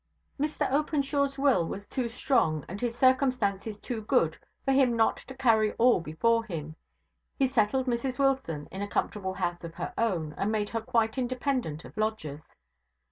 Mr Openshaw's will was too strong, and his circumstances too good, for him not to carry all before him. He settled Mrs Wilson in a comfortable house of her own, and made her quite independent of lodgers.